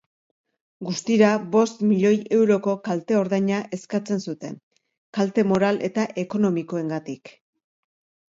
Guztira, bost milioi euroko kalte-ordaina eskatzen zuten, kalte moral eta ekonomikoengatik.